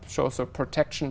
giúp đỡ kết hợp